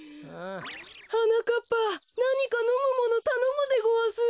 はなかっぱなにかのむものたのむでごわす。